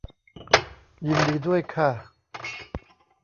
ยินดีด้วยค่ะ